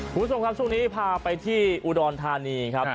คุณผู้ชมครับช่วงนี้พาไปที่อุดรธานีครับ